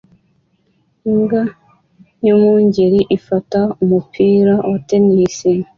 Imbwa yumwungeri ifata umupira wa tennis